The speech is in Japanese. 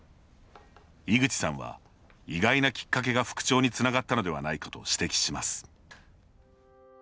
井口さんは、意外なきっかけが復調につながったのではないかと指摘します。